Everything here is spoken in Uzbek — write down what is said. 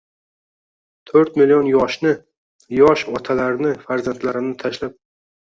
to'rt million yoshni – yosh otalarni farzandlarini tashlab